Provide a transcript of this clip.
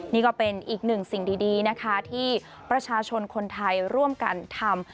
นี่ก็เป็นอีกหนึ่งสิ่งดีนะคะที่ประชาชนคนไทยร่วมกันทำ